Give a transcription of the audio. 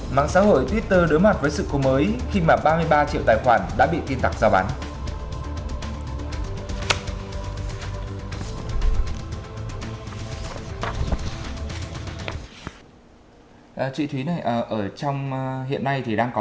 mạng xã hội twitter đối mặt với sự cố mới khi mà ba mươi ba triệu tài khoản đã bị tin tạo